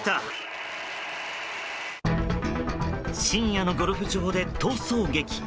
深夜のゴルフ場で逃走劇。